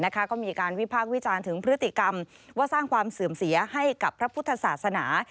ก็มีการวิพากษ์วิจารณ์ถึงพฤติกรรมว่าสร้างความเสื่อมเสียให้กับพระพุทธศาสนา